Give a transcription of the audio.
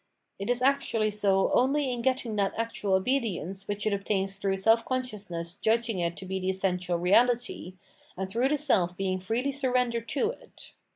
It is actually so only in getting that actual obedience which it obtains through self consciousness judging it to be the essential reality, and through the self being freely surrendered to it.